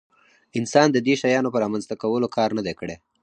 انسان د دې شیانو په رامنځته کولو کار نه دی کړی.